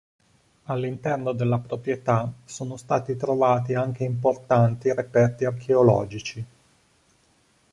All'interno della proprietà sono stai trovati anche importanti reperti archeologici.